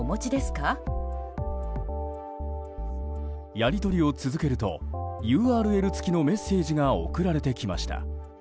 やり取りを続けるとＵＲＬ付きのメッセージが送られてきました。